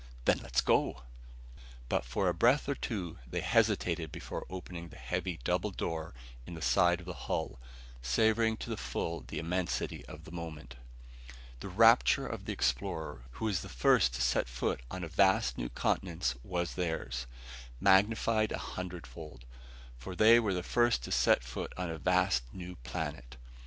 "Then let's go!" But for a breath or two they hesitated before opening the heavy double door in the side of the hull, savoring to the full the immensity of the moment. The rapture of the explorer who is the first to set foot on a vast new continent was theirs, magnified a hundredfold. For they were the first to set foot on a vast new planet!